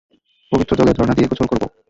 পবিত্র জলের ঝরনা দিয়ে গোসল করব!